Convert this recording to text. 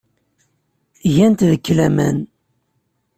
Gant deg-k laman.